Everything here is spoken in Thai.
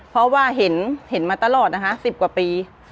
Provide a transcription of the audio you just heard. เพราะว่าเห็นมาตลอดนะคะ๑๐กว่าปี